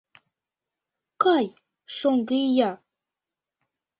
Кай, шоҥго ия!